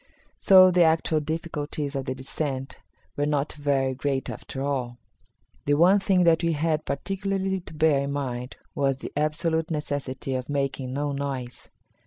So the actual difficulties of the descent were not very great after all. The one thing that we had particularly to bear in mind was the absolute necessity of making no noise.